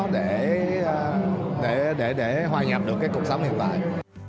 để hoay nhập được cái cuộc sống hiện tại